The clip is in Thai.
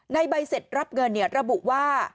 ใบเสร็จรับเงินระบุว่า